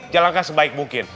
jalankan sebaik mungkin